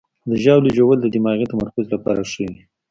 د ژاولې ژوول د دماغي تمرکز لپاره ښه وي.